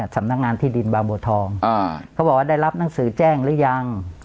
สำนักงานที่ดินบางบัวทองเขาบอกว่าได้รับหนังสือแจ้งหรือยัง